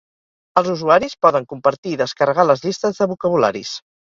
Els usuaris poden compartir i descarregar les llistes de vocabularis.